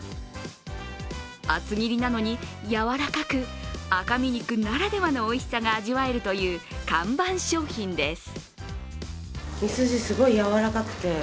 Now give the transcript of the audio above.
厚切りなのに柔らかく赤身肉ならではのおいしさが味わえるというの看板商品です。